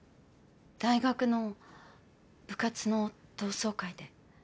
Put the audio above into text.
大学の部活の同窓会で。